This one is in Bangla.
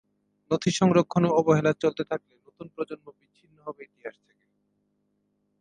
নথি সংরক্ষণে অবহেলা চলতে থাকলে নতুন প্রজন্ম বিচ্ছিন্ন হবে ইতিহাস থেকে।